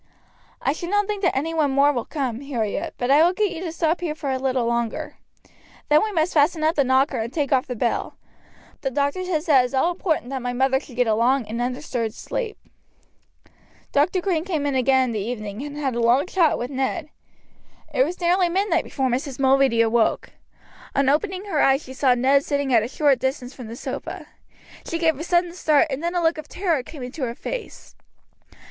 "I should not think any one more will come, Harriet, but I will get you to stop here for a little longer. Then we must fasten up the knocker and take off the bell. The doctor says that it is all important that my mother should get a long and undisturbed sleep." Dr. Green came in again in the evening, and had a long chat with Ned. It was nearly midnight before Mrs. Mulready awoke. On opening her eyes she saw Ned sitting at a short distance from the sofa. She gave a sudden start, and then a look of terror came into her face.